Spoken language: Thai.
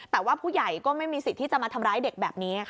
แต่ว่าผู้ใหญ่ก็ไม่มีสิทธิ์ที่จะมาทำร้ายเด็กแบบนี้ค่ะ